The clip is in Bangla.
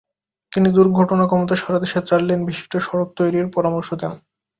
তিনি দুর্ঘটনা কমাতে সারা দেশে চার লেনবিশিষ্ট সড়ক তৈরির পরামর্শ দেন।